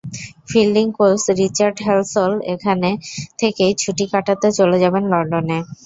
Fielding coach Richard Halsall ওখান থেকেই ছুটি কাটাতে চলে যাবেন লন্ডনে।